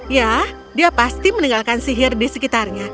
ya dia pasti meninggalkan sihir di sekitarnya